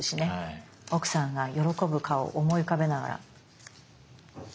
奥さんが喜ぶ顔を思い浮かべながら。